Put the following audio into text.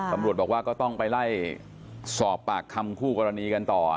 ตำรวจบอกว่าก็ต้องไปไล่สอบปากคำคู่กรณีกันต่อ